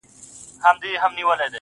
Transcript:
گل وي ياران وي او سايه د غرمې.